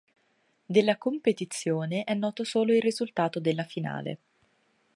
Della competizione è noto solo il risultato della finale.